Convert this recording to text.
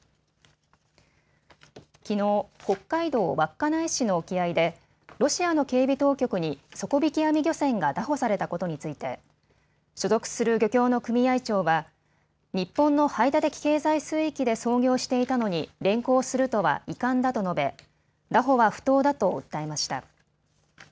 きのう、北海道稚内市の沖合でロシアの警備当局に底引き網漁船が拿捕されたことについて所属する漁協の組合長は日本の排他的経済水域で操業していたのに連行するとは遺憾だと述べ、拿捕は不当だと訴えました。